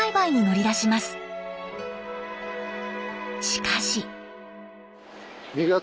しかし。